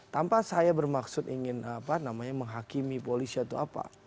tanpa saya bermaksud ingin menghakimi polisi atau apa